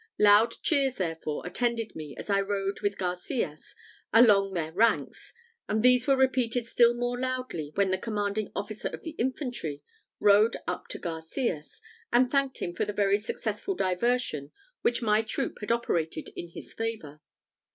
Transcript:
Loud cheers, therefore, attended me as I rode with Garcias along their ranks; and these were repeated still more loudly when the commanding officer of the infantry rode up to Garcias, and thanked him for the very successful diversion which my troop had operated in his favour.